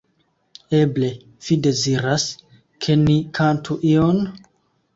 Eble vi deziras, ke ni kantu ion?